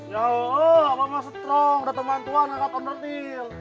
ya lo mah strong udah teman tua angkat owner deal